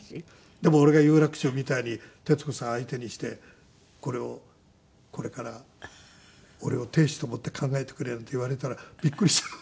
でも俺が有楽町みたいに徹子さん相手にして「これをこれから俺を亭主と思って考えてくれ」なんて言われたらびっくりしちゃう。